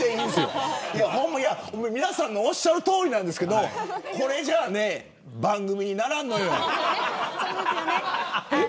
皆さんのおっしゃるとおりなんですけどこれじゃあ番組にならんのよ。